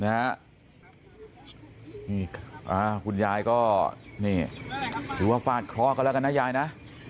นี่คุณยายก็นี่ถือว่าฟาดเคราะห์กันแล้วกันนะยายนะ